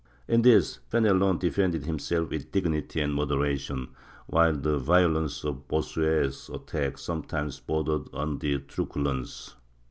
In this Fenelon defended himself with dignity and moderation, while the violence of Bossuet's attack sometimes bordered on truculence.